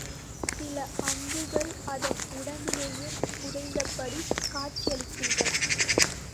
சில அம்புகள் அதன் உடம்பிலேயே புதைந்தபடி காட்சியளிக்கின்றன.